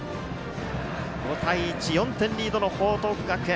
５対１、４点リードの報徳学園。